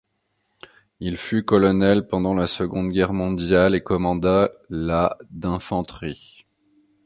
Il fut colonel pendant la Seconde Guerre mondiale et commanda la d'infanterie.